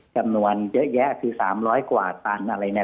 กำหนัวเยอะแยะคือ๓๐๐กวาตันอะไร